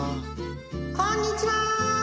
・こんにちは！